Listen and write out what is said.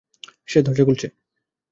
সে দরজা খুলছে।